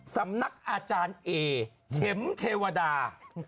สำนักอาจารย์เอเข็มเทวดา